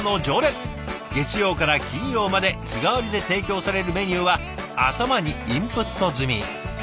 月曜から金曜まで日替わりで提供されるメニューは頭にインプット済み。